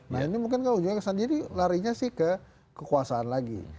nah ini mungkin kalau ujungnya kesan diri larinya sih ke kekuasaan lagi